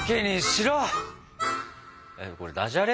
えっこれダジャレ？